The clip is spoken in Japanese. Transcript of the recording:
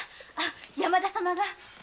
山田様が。